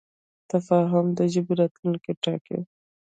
تفاهم د ژبې راتلونکی ټاکي.